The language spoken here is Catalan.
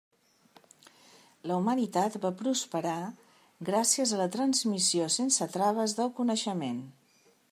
La humanitat va prosperar gràcies a la transmissió sense traves del coneixement.